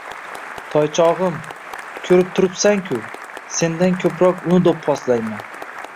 — Toychog'im, kurib turibsan-ku, sendan ko'proq uni do'pposlayman.